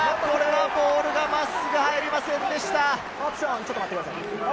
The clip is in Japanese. ボールが真っすぐ入りませんでした。